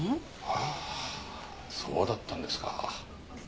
ああそうだったんですか。